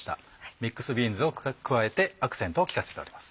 ミックスビーンズを加えてアクセントを利かせております。